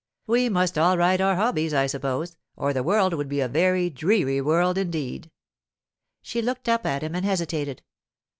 'We must all ride our hobbies, I suppose, or the world would be a very dreary world indeed.' She looked up at him and hesitated.